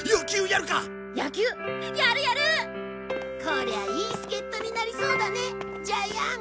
こりゃいい助っ人になりそうだねジャイアン。